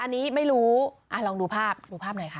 อันนี้ไม่รู้อ่าลองดูภาพหน่อยค่ะ